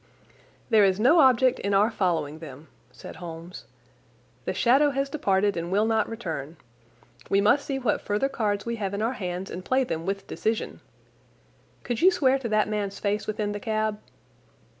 "There is no object in our following them," said Holmes. "The shadow has departed and will not return. We must see what further cards we have in our hands and play them with decision. Could you swear to that man's face within the cab?"